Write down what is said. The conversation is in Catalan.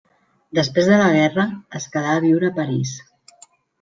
Després de la guerra, es quedà a viure a París.